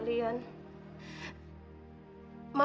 dan zaman selesainya spelled a